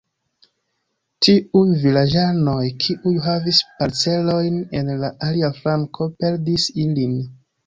Tiuj vilaĝanoj, kiuj havis parcelojn en la alia flanko, perdis ilin.